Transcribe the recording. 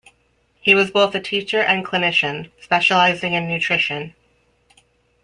He was both a teacher and clinician, specializing in nutrition.